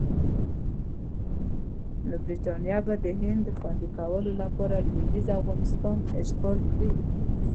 نو برټانیه به د هند د خوندي کولو لپاره لویدیځ افغانستان اشغال کړي.